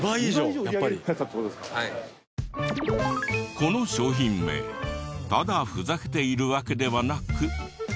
この商品名ただふざけているわけではなく。